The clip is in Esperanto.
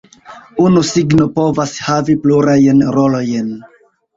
Unu signo povas havi plurajn rolojn.